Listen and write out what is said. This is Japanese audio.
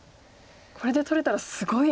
これで取れたらすごい剛腕な。